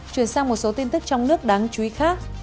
chuyển sang một số tin tức trong nước đáng chú ý khác